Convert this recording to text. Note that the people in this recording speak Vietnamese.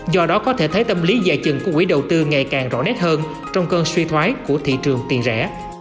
do đó có thể thấy tâm lý giải chừng của quỹ đầu tư ngày càng rõ nét hơn trong cơn suy thoái của thị trường tiền rẻ